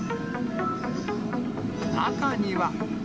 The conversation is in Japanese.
中には。